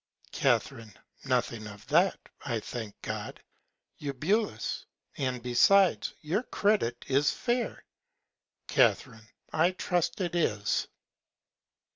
Ca. Nothing of that, I thank God. Eu. And besides, your Credit is fair. Ca. I trust it is.